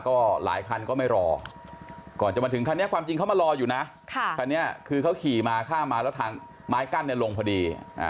ก็หลายคันก็ไม่รอก่อนจะมาถึงคันนี้ความจริงเขามารออยู่นะคันนี้คือเขาขี่มาข้ามมาแล้วทางไม้กั้นเนี่ยลงพอดี